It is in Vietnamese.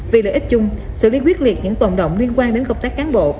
vì lợi ích chung xử lý quyết liệt những tồn động liên quan đến công tác cán bộ